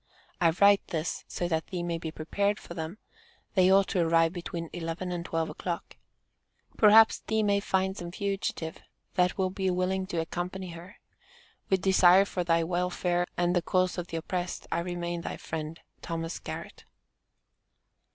I write this so that thee may be prepared for them; they ought to arrive between 11 and 12 o'clock. Perhaps thee may find some fugitive that will be willing to accompany her. With desire for thy welfare and the cause of the oppressed, I remain thy friend, THOS. GARRETT.